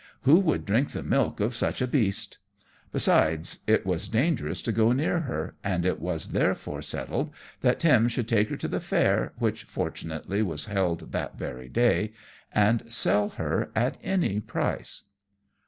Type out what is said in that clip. Who would drink the milk of such a beast! Besides, it was dangerous to go near her; and it was therefore settled that Tim should take her to the fair, which fortunately was held that very day, and sell her at any price.